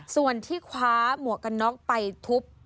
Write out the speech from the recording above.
ส่วนที่คว้าหมวกกันน็อกไปทุบ